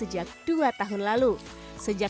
kelandangan dan tukang bekerja